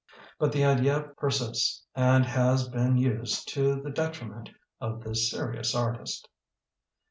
But the idea persists and has been used to the detriment of this seri ous artist.